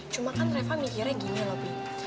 cuman kan reva mikirnya gini loh pi